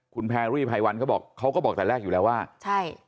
คุณแพรรี่ไพวันเขาบอกเขาก็บอกแต่แรกอยู่แล้วว่าใช่